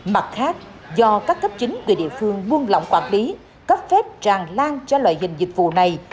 mặt khác do các cấp chính quyền địa phương buôn lỏng quản lý cấp phép tràn lan cho loại hình dịch vụ này